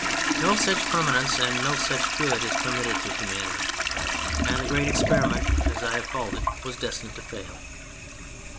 No such permanence and no such good is permitted to humanity; and the great experiment, as I have called it, was destined to fail.